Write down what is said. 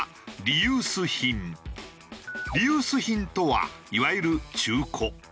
リユース品とはいわゆる中古。